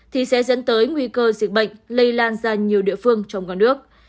thì sẽ dẫn tới nguy cơ dịch bệnh lây lan ra nhiều địa phương trong cả nước